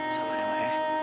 sabar dong ya